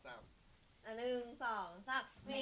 เดี๋ยวตามไป